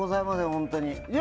本当に。